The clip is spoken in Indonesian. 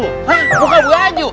hah buka baju